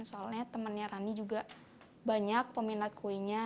soalnya temannya rani juga banyak peminat kuenya